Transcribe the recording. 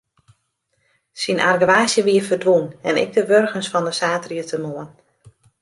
Syn argewaasje wie ferdwûn en ek de wurgens fan de saterdeitemoarn.